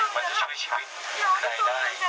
มันจะช่วยชีวิตได้